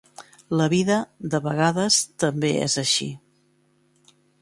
La vida, de vegades, també és així.